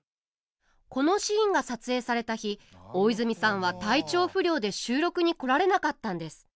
このシーンが撮影された日大泉さんは体調不良で収録に来られなかったんです。